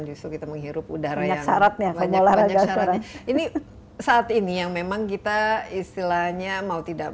justru kita menghirup udara yang banyak banyak syaratnya ini saat ini yang memang kita istilahnya mau tidak